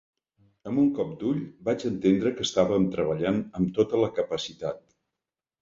Amb un cop d'ull vaig entendre que estàvem treballant amb tota la capacitat.